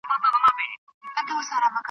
راغلی مه وای زما له هیواده .